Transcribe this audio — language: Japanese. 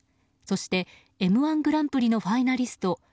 そして「Ｍ‐１グランプリ」のファイナリスト